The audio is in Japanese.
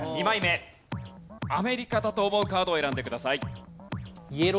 ２枚目アメリカだと思うカードを選んでください。